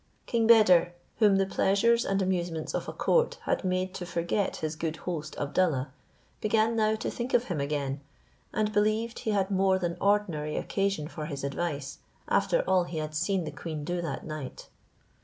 King Beder, whom the pleasures and amusements of a court had made to forget his good host Abdallah, began now to think of him again, and believed he had more than ordinary occasion for his advice, after all he had seen the queen do that night.